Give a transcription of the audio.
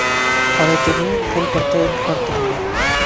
ফলে তিনি ভূল করতেন না।